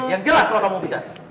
ada musim belutnya